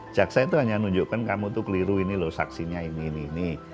jaksa itu hanya nunjukkan kamu itu keliru ini loh saksinya ini ini